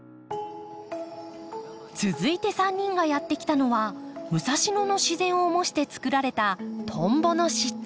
続いて３人がやって来たのは武蔵野の自然を模してつくられたトンボの湿地。